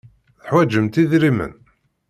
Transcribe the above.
Teḥwajemt idrimen.